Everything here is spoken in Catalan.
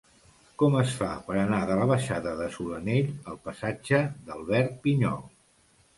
Com es fa per anar de la baixada de Solanell al passatge d'Albert Pinyol?